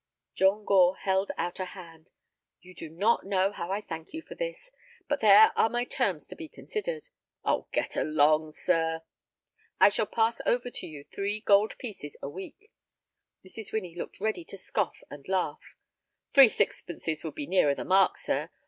John Gore held out a hand. "You do not know how I thank you for this. But there are my terms to be considered." "Oh, get along, sir." "I shall pass over to you three gold pieces a week." Mrs. Winnie looked ready to scoff and laugh. "Three sixpences would be nearer the mark, sir.